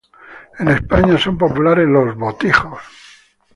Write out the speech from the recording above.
En España, son populares los "botijos".